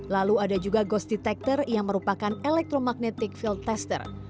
lalu ada juga ghost detector yang merupakan electromagnetic field tester